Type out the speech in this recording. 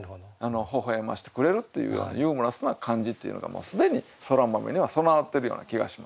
ほほ笑ましてくれるっていうようなユーモラスな感じっていうのが既にそら豆には備わってるような気がしますね。